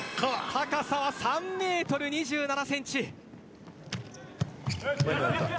高さは３ｍ２７ｃｍ。